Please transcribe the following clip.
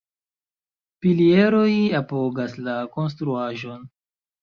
Pilieroj apogas la konstruaĵon.